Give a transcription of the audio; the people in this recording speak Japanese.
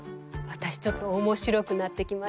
私ちょっと面白くなってきました。